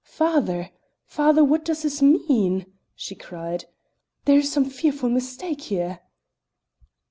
"Father! father! what does this mean?" she cried. "There is some fearful mistake here."